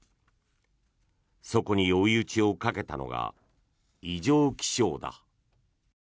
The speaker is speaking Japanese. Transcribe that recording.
そこに追い打ちをかけたのが異常気象だ。